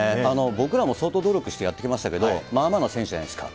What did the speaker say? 僕らも相当努力してやってきましたけれども、まあまあの選手じゃないですか。